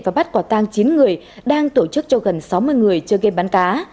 và bắt quả tang chín người đang tổ chức cho gần sáu mươi người chơi game bắn cá